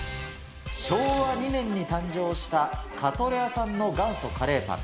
昭和２年に誕生したカトレアさんの元祖カレーパン。